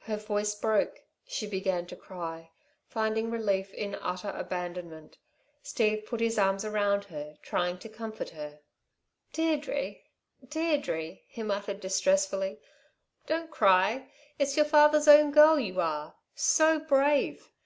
Her voice broke. She began to cry, finding relief in utter abandonment. Steve put his arms round her, trying to comfort her. "Deirdre! Deirdre!" he muttered distressfully. "Don't cry! It's your father's own girl you are. So brave!